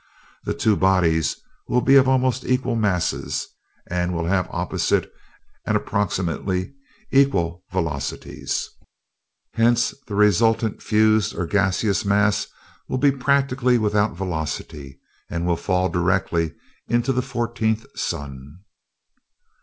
The two bodies will be of almost equal masses, and will have opposite and approximately equal velocities; hence the resultant fused or gaseous mass will be practically without velocity and will fall directly into the fourteenth sun."